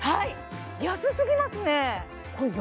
安すぎますねはい！